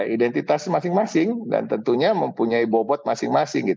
identitas masing masing dan tentunya mempunyai bobot masing masing